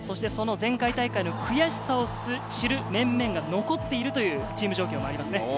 前回大会の悔しさを知る面々が残っているというチーム状況もありますね。